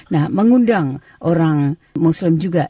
nah mengundang orang muslim juga